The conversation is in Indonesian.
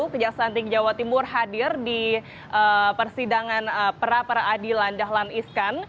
kejaksaan tinggi jawa timur hadir di persidangan pra peradilan dahlan iskan